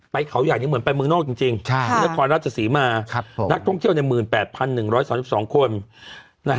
ไปเขาใหญ่เหมือนไปเมืองนอกจริงนักท่องเที่ยวในมืน๘๑๒๒คน